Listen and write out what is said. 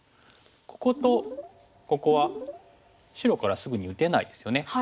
こことここは白からすぐに打てないですよね。